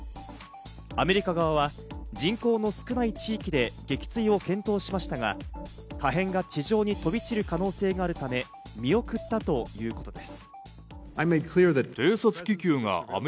アメリカ側は人口の少ない地域で撃墜を検討しましたが、破片が地上に飛び散る可能性があるため見送ったということです。